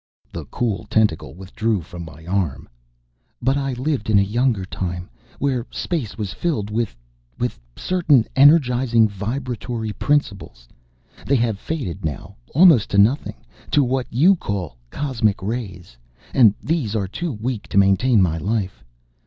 The cool tentacle withdrew from my arm. "But I lived in a younger time, where space was filled with with certain energizing vibratory principles. "They have faded now almost to nothing, to what you call cosmic rays. And these are too weak to maintain my life.